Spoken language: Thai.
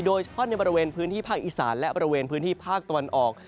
โดยเฉพาะในบริเวณพื้นที่ภาคอีสานและบริเวณพื้นที่ภาคตะวันออก